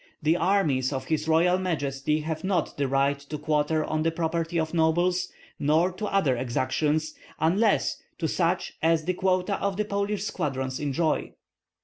The armies of his royal Majesty have not the right to quarter on the property of nobles nor to other exactions, unless to such as the quota of the Polish squadrons enjoy."